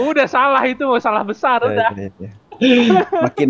udah salah itu salah besar udah